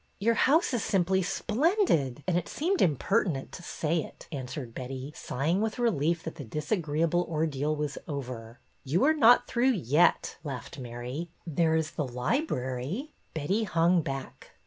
Your house is simply splendid and it seemed impertinent to say it," answered Betty, sighing with relief that the disagreeable ordeal was over. '' You are not through yet," laughed Mary. There is the library." Betty hung back.